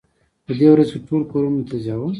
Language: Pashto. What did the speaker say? په دې ورځو کې ټول کورونو ته ځي.